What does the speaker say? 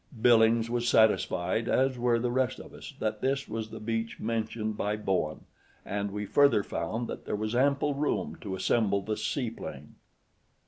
Billings was satisfied, as were the rest of us, that this was the beach mentioned by Bowen, and we further found that there was ample room to assemble the sea plane.